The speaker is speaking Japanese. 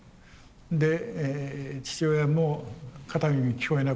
で父親も片耳聞こえなくなった。